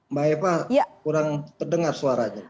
mbak eva kurang terdengar suaranya